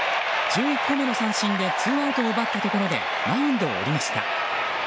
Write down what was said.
１１個目の三振でツーアウトを奪ったところでマウンドを降りました。